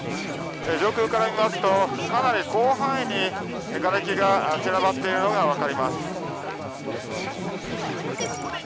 上空から見ますとかなり広範囲にがれきが散らばっているのが分かります。